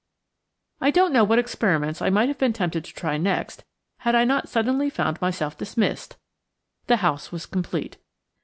I don't know what experiments I might have been tempted to try next had I not suddenly found myself dismissed the house was complete.